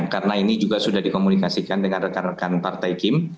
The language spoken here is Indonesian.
karena ini juga sudah dikomunikasikan dengan rekan rekan partai kim